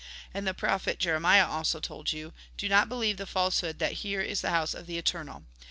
And the prophet Jeremiah also told you : Do not believe the false hoods that here is the house of the Eternal.